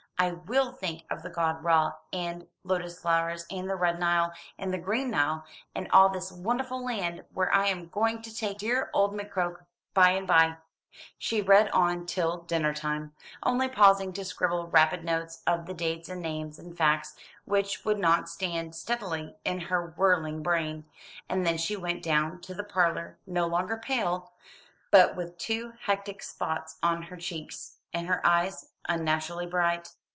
"I will think of the god Râ, and lotus flowers, and the Red Nile, and the Green Nile, and all this wonderful land where I am going to take dear old McCroke by and by." She read on till dinner time, only pausing to scribble rapid notes of the dates and names and facts which would not stand steadily in her whirling brain; and then she went down to the parlour, no longer pale, but with two hectic spots on her cheeks, and her eyes unnaturally bright.